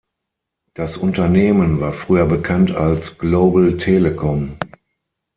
Das Unternehmen war früher bekannt als Global Telecom.